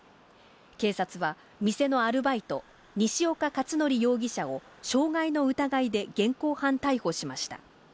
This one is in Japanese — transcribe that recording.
警察は、店のアルバイト、西岡かつのり容疑者を傷害の疑いで現行犯逮捕しました。